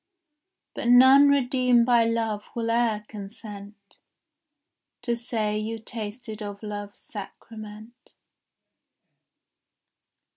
But none redeemed by love will e'er consent To say you tasted of love's sacrament.